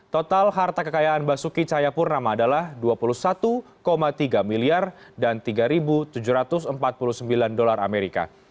total harta kekayaan basuki cahayapurnama adalah dua puluh satu tiga miliar dan tiga tujuh ratus empat puluh sembilan dolar amerika